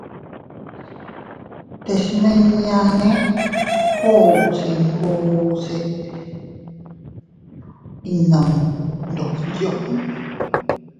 Te smine koo se iyngoo se iynuʼu ndog yunni.